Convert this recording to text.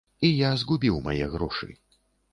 І я згубіў мае грошы.